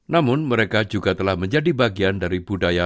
namun mereka juga telah menjadi bagian dari budaya